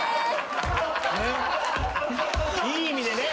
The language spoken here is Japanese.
いい意味でね